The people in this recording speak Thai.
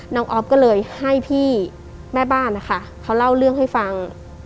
ออฟก็เลยให้พี่แม่บ้านนะคะเขาเล่าเรื่องให้ฟัง